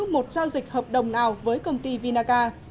một giao dịch hợp đồng nào với công ty vinaca